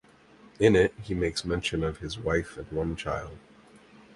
In it he makes mention of his wife and one child.